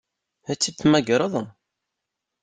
Ad tt-id-temmagreḍ?